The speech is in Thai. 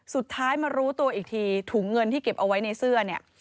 สุดท้ายมารู้ตัวอีกทีถุงเงินที่เก็บเอาไว้ในเสื้อเนี่ย